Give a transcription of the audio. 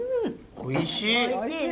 おいしいね！